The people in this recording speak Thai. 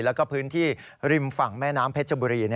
แล้วก็พื้นที่ริมฝั่งแม่น้ำเพชรบุรี